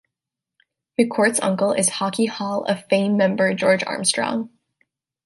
McCourt's uncle is Hockey Hall of Fame member George Armstrong.